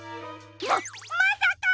ままさか！